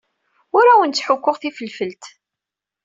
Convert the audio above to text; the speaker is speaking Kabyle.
Ur awen-ttḥukkuɣ tifelfelt.